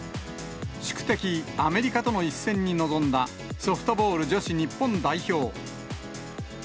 宿敵、アメリカとの一戦に臨んだソフトボール女子日本代表。